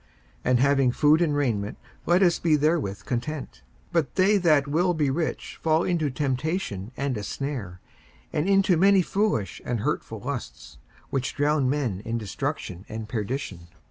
54:006:008 And having food and raiment let us be therewith content. 54:006:009 But they that will be rich fall into temptation and a snare, and into many foolish and hurtful lusts, which drown men in destruction and perdition.